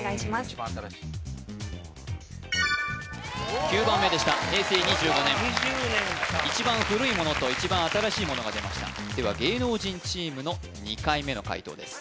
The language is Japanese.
一番新しい９番目でした平成２５年一番古いものと一番新しいものが出ましたでは芸能人チームの２回目の解答です